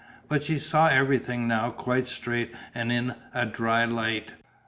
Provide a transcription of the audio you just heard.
But she saw everything now quite straight and in a dry light.